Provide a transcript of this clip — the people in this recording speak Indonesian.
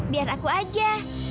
biar aku aja